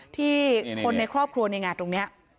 ที่คนในครอบครัวในงานตรงนี้